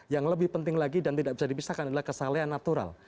yang lebih penting lagi dan tidak bisa dipisahkan adalah kesalahan natural